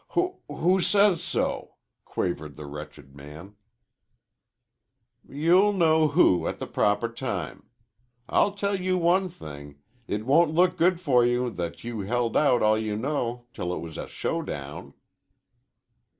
"W w who says so?" quavered the wretched man. "You'll know who at the proper time. I'll tell you one thing. It won't look good for you that you held out all you know till it was a showdown."